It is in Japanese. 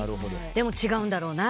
でも違うんだろうな。